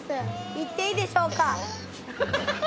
行っていいでしょうか。